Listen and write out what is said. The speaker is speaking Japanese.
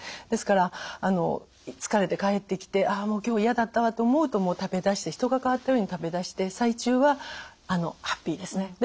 ですから疲れて帰ってきてああもう今日嫌だったわと思うともう食べだして人が変わったように食べだして最中はハッピーですね。